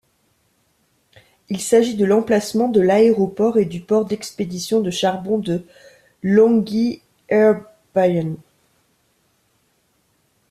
Il s'agit de l'emplacement de l'aéroport et du port d'expédition de charbon de Longyearbyen.